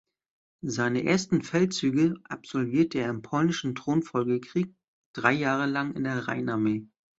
Seine ersten Feldzüge absolviert er im Polnischen Thronfolgekrieg drei Jahre lang in der Rheinarmee.